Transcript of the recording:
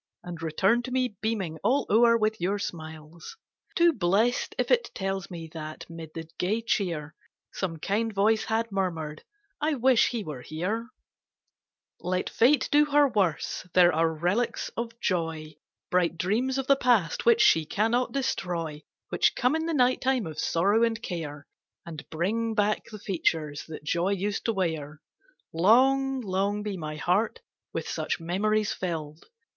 And return to me beaming all o'er with your smiles — 1 5 Too blest, if it tells me that, 'mid the gay cheer, Some kind voice had murmur'd, " I wish he were here 1 " Let fate do her worst ; there are relics of joy, Bright dreams of the past, which she cannot destroy, Which come in the night time of sorrow and care, 2o And bring back the features that joy used to wear. Long, long be my heart with such memories fill'd